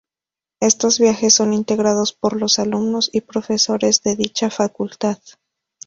Estos viajes son integrados por los alumnos y profesores de dicha facultad.